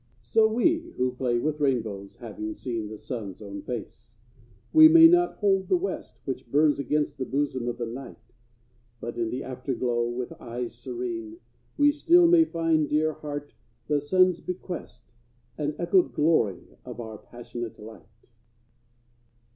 So we who play with rainbows, having seen The sun's own face. We may not hold the west, Which burns against the bosom of the night, But in the after glow, with eyes serene, We still may find, dear heart, the sun's bequest, An echoed glory of our passionate light.